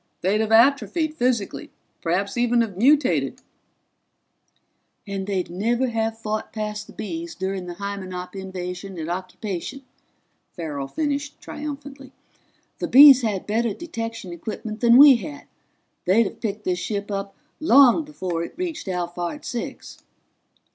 They'd have atrophied physically, perhaps even have mutated " "And they'd never have fought past the Bees during the Hymenop invasion and occupation," Farrell finished triumphantly. "The Bees had better detection equipment than we had. They'd have picked this ship up long before it reached Alphard Six."